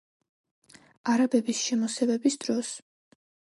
არაბების შემოსევების დროს.